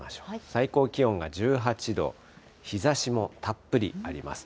最高気温が１８度、日ざしもたっぷりあります。